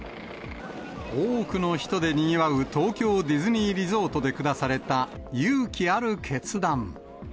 多くの人でにぎわう東京ディズニーリゾートで下された勇気ある決断。